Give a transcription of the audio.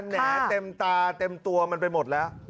แหน่เต็มตาเต็มตัวมันไปหมดแล้ว